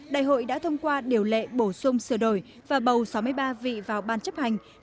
đại hội đã thông qua điều lệ bổ sung sửa đổi và bầu sáu mươi ba vị vào ban chấp hành